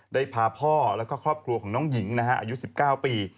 ได้พาพ่อและครอบครัวของน้องหญิงอายุ๑๙ปี